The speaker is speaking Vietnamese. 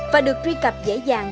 và được truy cập dễ dàng